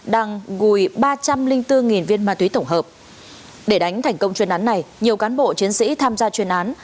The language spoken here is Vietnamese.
đang gùi ba trăm linh bốn viên ma túy tổng hợp để đánh thành công chuyên án này nhiều cán bộ chiến sĩ tham gia chuyên án